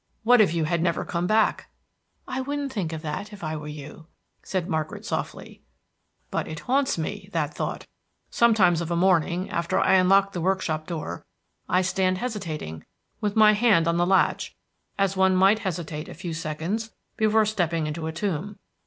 "What if you had never come back?" "I wouldn't think of that if I were you," said Margaret softly. "But it haunts me, that thought. Sometimes of a morning, after I unlock the workshop door, I stand hesitating, with my hand on the latch, as one might hesitate a few seconds before stepping into a tomb.